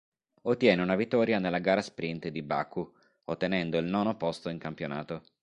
Ottiene una vittoria nella gara sprint di Baku, ottenendo il nono posto in campionato.